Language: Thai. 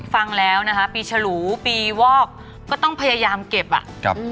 ฟังแล้วนะฮะปีฉรุปีวอกก็ต้องพยายามเก็บ